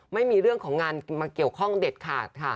ไม่มีเรื่องของงานมาเกี่ยวข้องเด็ดขาดค่ะ